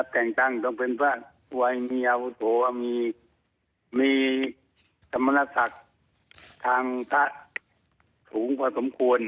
แต่งตั้งต้องเป็นพระวัยมีอาวุโสมีสมณศักดิ์ทางพระสูงพอสมควร